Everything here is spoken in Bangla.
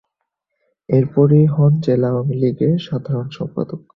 এরপরই হন জেলা আওয়ামী লীগের সাধারণ সম্পাদক।